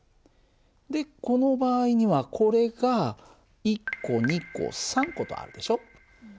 でこの場合にはこれが１個２個３個とあるでしょ。